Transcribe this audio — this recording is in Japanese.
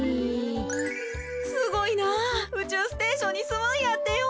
すごいなうちゅうステーションにすむんやってよ。